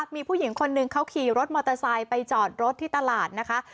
มีผู้หญิงคนหนึ่งเขาขี่รถมอเตอร์ไซค์ไปจอดรถที่ตลาดนะคะ